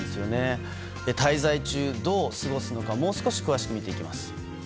滞在中、どう過ごすのかもう少し詳しく見ていきます。